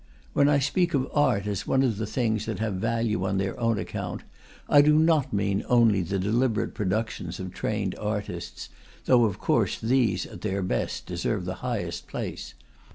When I speak of art as one of the things that have value on their own account, I do not mean only the deliberate productions of trained artists, though of course these, at their best, deserve the highest place.